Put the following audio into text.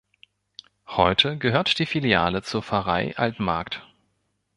Heute gehört die Filiale zur Pfarrei Altenmarkt.